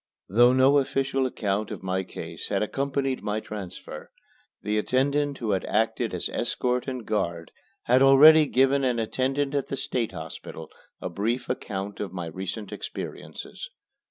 Though no official account of my case had accompanied my transfer, the attendant who had acted as escort and guard had already given an attendant at the State Hospital a brief account of my recent experiences.